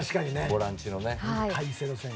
ボランチのね。